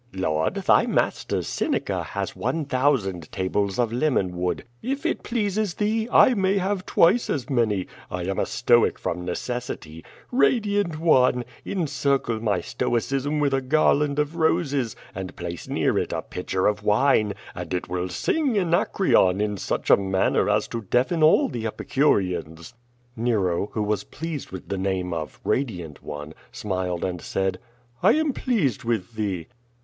"Lord, thy master, Seneca, has one thousand tables of lemon wood. If it pleases thee, I may have twice as many. I am a Stoic from necessity. Radiant one! encircle my stoi cism with a garland of roses, and place near it a pitcher of wine, and it will sing Anacreon in such a manner as to deafen all the Epicureans." Nero, who was pleased with the name of "Radiant one," smiled and said: "I am pleased with thee."